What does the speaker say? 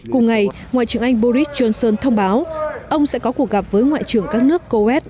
cùng ngày ngoại trưởng anh boris johnson thông báo ông sẽ có cuộc gặp với ngoại trưởng các nước coes